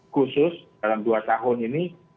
khusus dalam dua tahun ini